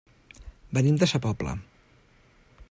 Venim de sa Pobla.